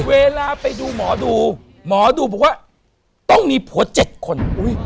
เวลาไปดูหมอดูหมอดูบอกว่าต้องมีผัว๗คน